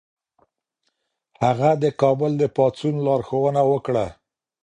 هغه د کابل د پاڅون لارښوونه وکړه.